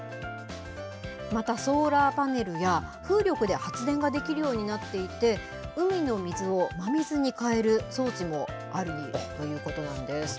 またソーラーパネルや風力で発電ができるようになっていて、海の水を真水に変える装置もあるということなんです。